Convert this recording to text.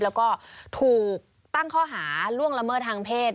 แล้วก็ถูกตั้งข้อหาล่วงละเมิดทางเพศ